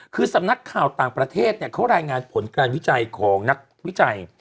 คือสำนักข่าวต่างประเทศเขารายงานผลการวิจัยของนักวิจัย